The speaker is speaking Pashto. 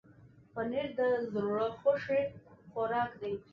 پنېر د زړه خوښي خوراک دی.